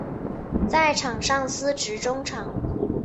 在场上司职中场。